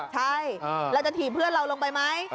ใช่เราจะถีบเพื่อนเราลงไปไหม